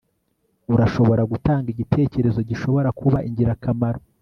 Urashobora gutanga igitekerezo gishobora kuba ingirakamaro